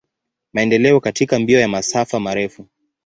Maendeleo katika mbio ya masafa marefu.